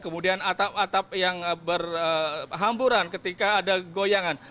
kemudian atap atap yang berhamburan ketika ada goyangan